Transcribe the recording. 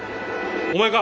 お前か！